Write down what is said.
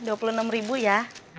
bu kembaliannya dua puluh enam ribu ya